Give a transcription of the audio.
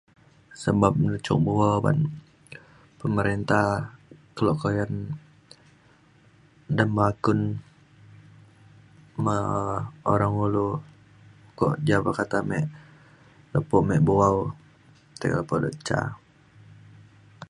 Sebab dulu cuk bu’au ban pemerintah kelo kuyan dam Bakun me Orang Ulu kuak ja pekata me lepo me bu’au tiga pulo ca